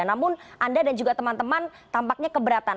namun anda dan juga teman teman tampaknya keberatan